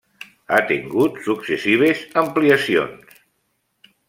Ha tengut successives ampliacions.